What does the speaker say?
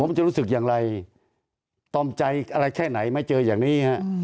ผมจะรู้สึกอย่างไรตอมใจอะไรแค่ไหนมาเจออย่างนี้ฮะ